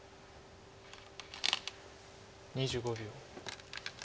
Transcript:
２５秒。